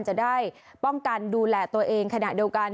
จะได้ป้องกันดูแลตัวเองขณะเดียวกัน